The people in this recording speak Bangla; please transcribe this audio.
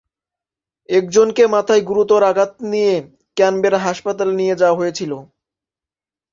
একজনকে মাথায় গুরুতর আঘাত নিয়ে ক্যানবেরা হাসপাতালে নিয়ে যাওয়া হয়েছিল।